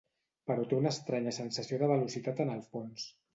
Però té una estranya sensació de velocitat en el fons.